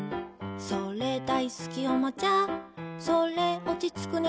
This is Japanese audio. それ、大好きおもちゃそれ、落ちつく寝